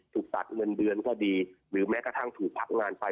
ถูกตัดเงินเดือนก็ดีหรือแม้กระทั่งถูกผลักงานไป